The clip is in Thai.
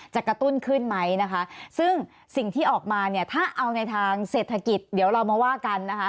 กระตุ้นขึ้นไหมนะคะซึ่งสิ่งที่ออกมาเนี่ยถ้าเอาในทางเศรษฐกิจเดี๋ยวเรามาว่ากันนะคะ